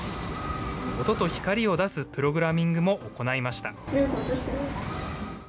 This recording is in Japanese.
音と光を出すプログラミングも行いました。